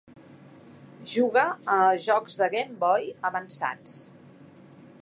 Juga a jocs de Game Boy avançats.